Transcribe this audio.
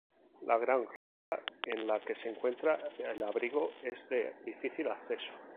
La gran roca en la que se encuentra el abrigo es de difícil acceso.